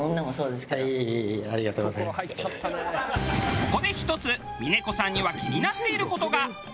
ここで１つ峰子さんには気になっている事が。